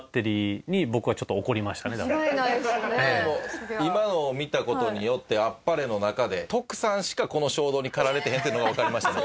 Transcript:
でも今のを見た事によって天晴の中でトクサンしかこの衝動に駆られてへんってのがわかりましたね。